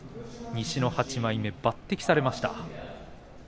西の８枚目、抜てきされました。